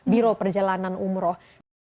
biro perjalanan umroh